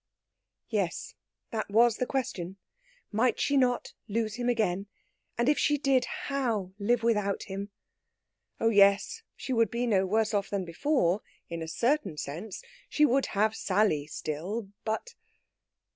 Yes, that was the question! Might she not lose him again? And if she did, how live without him?... Oh yes, she would be no worse off than before, in a certain sense. She would have Sally still ... but....